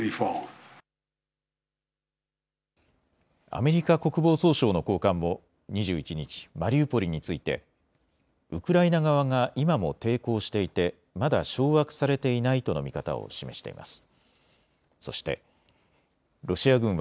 アメリカ国防総省の高官も２１日、マリウポリについてウクライナ側が今も抵抗していてまだ掌握されていないとの見方を示しています。